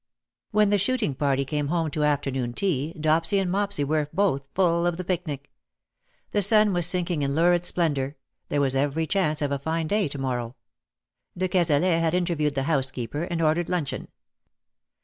When the shooting party came home to afternoon tea, Dopsy and Mopsy were both full of the picnic. The sun was sinking in lurid splendour ; there was every chance of a fine day to morrow. De Cazalet had interviewed the housekeeper,, and ordered luncheon.